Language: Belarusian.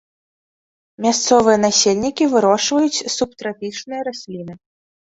Мясцовыя насельнікі вырошчваюць субтрапічныя расліны.